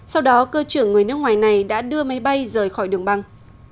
sau đó cơ trưởng người nước ngoài này đã đưa máy bay rời khỏi đường băng